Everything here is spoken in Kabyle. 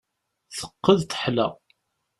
Teqqed, teḥla.